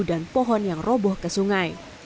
dan pohon yang roboh ke sungai